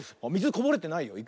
みずこぼれてない。